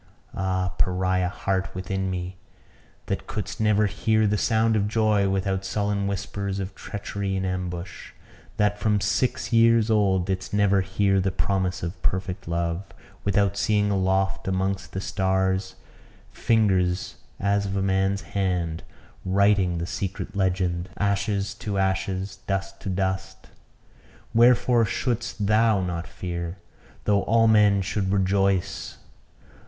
Ah! Pariah heart within me, that couldst never hear the sound of joy without sullen whispers of treachery in ambush; that, from six years old, didst never hear the promise of perfect love, without seeing aloft amongst the stars fingers as of a man's hand, writing the secret legend "Ashes to ashes, dust to dust!" wherefore shouldst thou not fear, though all men should rejoice?